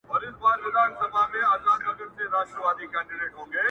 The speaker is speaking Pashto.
o پښېمانه يم د عقل په وېښتو کي مي ځان ورک کړ.